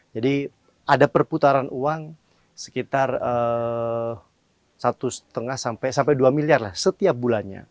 jadi ada perputaran uang sekitar satu lima sampai dua miliar lah setiap bulannya